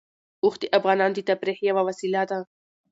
اوښ د افغانانو د تفریح یوه وسیله ده.